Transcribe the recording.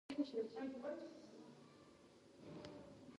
دوی له پرون راهیسې په دې علمي موضوع بحث کاوه.